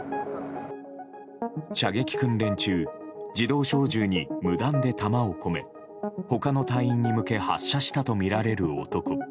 射撃訓練中、自動小銃に無断で弾を込め、他の隊員に向け発射したとみられる男。